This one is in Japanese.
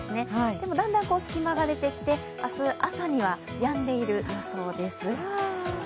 でも、隙間が出てきて、明日朝にはやんでいる予想です。